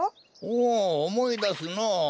おおおもいだすのう。